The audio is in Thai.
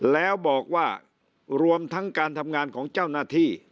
แล้วบอกว่ารวมทั้งการทำงานของเจ้าหน้าที่